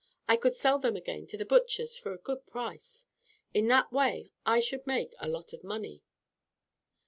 I could sell them again to the butchers for a good price. In that way I should make a lot of money."